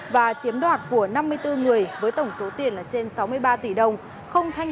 và chiếm đoạt của năm mươi bốn người với tổng số tiền là trên sáu mươi ba tỷ đồng